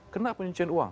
kenapa pencucian uang